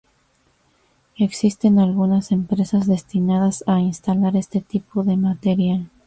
Existen algunas empresas destinadas a instalar este tipo de material.